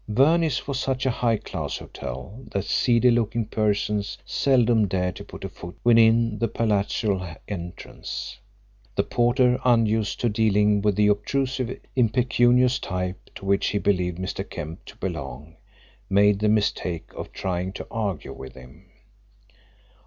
Verney's was such a high class hotel that seedy looking persons seldom dared to put a foot within the palatial entrance. The porter, unused to dealing with the obtrusive impecunious type to which he believed Mr. Kemp to belong, made the mistake of trying to argue with him.